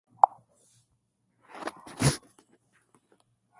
His father played an integral part in his cultural upbringing.